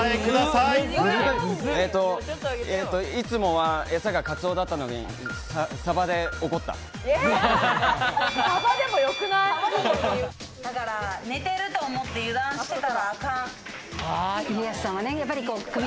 いつもは、エサがカツオだったのに、サバで怒った。